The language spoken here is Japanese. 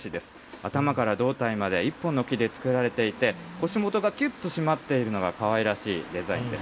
頭から胴体まで一本の木で作られていて、腰元がきゅっと締まっているのがかわいらしいデザインです。